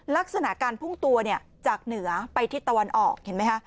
ลักษณะการพุ่งตัวเนี่ยจากเหนือไปทิศตะวันออกเห็นไหมคะ